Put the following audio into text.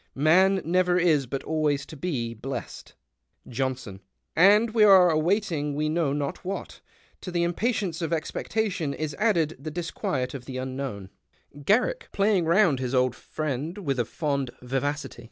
' Man never is, but always to be, blest.' " Johnson. —" And \\v arc awaiting wc know not what. To the impatience of expectation is added the discpiiet of the unknown. " 81 PASTICHE AND PREJUDICE Garrick {playing round his old friend zvith a fond vivacity).